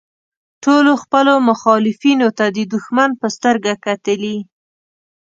ټولو خپلو مخالفینو ته د دوښمن په سترګه کتلي.